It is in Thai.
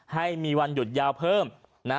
ให้มีวันหยุดยาวเพิ่ม